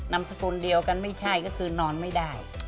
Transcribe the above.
นามสกุลเดียวกันไม่ใช่ก็คือนอนไม่ได้